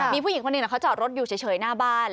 มีผู้หญิงคนหนึ่งเขาจอดรถอยู่เฉยหน้าบ้าน